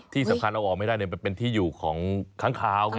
ที่สำคัญเราออกไม่ได้มันเป็นที่อยู่ของค้างคาวไง